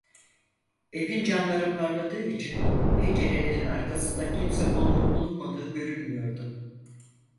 Evin camları parladığı için pencerelerin arkasında kimse bulunup bulunmadığı görünmüyordu.